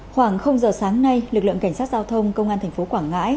khoảng giờ sáng nay lực lượng cảnh sát giao thông công an tp quảng ngãi